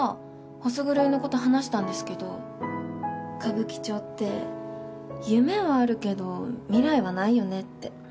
ホス狂いの子と話したんですけど歌舞伎町って夢はあるけど未来はないよねって。